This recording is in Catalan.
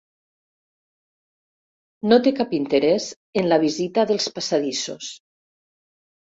No té cap interès en la visita dels passadissos.